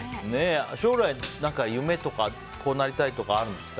将来、何か夢とかこうなりたいとかあるんですか？